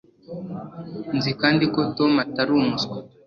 Nzi kandi ko Tom atari umuswa